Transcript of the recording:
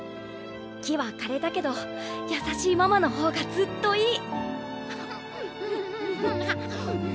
木はかれたけど優しいママのほうがずっといい。